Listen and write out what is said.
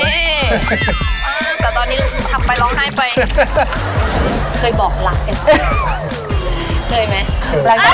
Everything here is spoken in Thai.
แต่ตอนนี้ทำไปร้องให้ไป